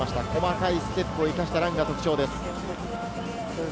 細かいステップを生かしたランが特徴です。